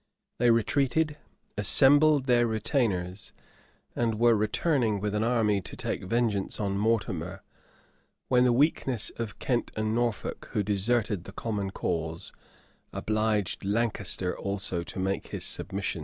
They retreated, assembled their retainers, and were returning with an army to take vengeance on Mortimer; when the weakness of Kent and Norfolk, who deserted the common cause, obliged Lancaster also to make his submissions.